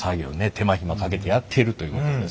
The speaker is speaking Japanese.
手間暇かけてやっているということですよ。